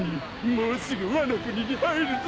もうすぐワノ国に入るぞ。